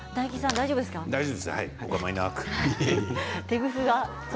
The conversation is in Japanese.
大丈夫です、おかまいなく。